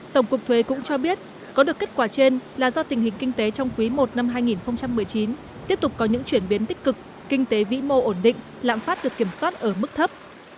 tổng cục thuế cũng cho biết có được kết quả trên là do tình hình kinh tế trong quý i năm hai nghìn một mươi chín tiếp tục có những chuyển biến tích cực kinh tế vĩ mô ổn định lạm phát được kiểm soát ở mức thấp